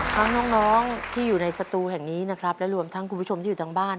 เพราะน้องที่อยู่ในสตูแห่งนี้นะครับและรวมทั้งคุณผู้ชมที่อยู่ทางบ้าน